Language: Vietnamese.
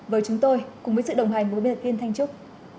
với chúng tôi cùng với sự đồng hành với bnk thanh trúc